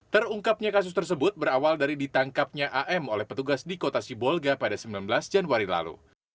terungkapnya kasus tersebut berawal dari ditangkapnya am oleh petugas di kota sibolga pada sembilan belas januari lalu